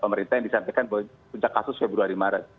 pemerintah yang disampaikan bahwa puncak kasus februari maret